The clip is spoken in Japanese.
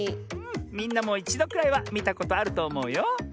みんなもいちどくらいはみたことあるとおもうよ。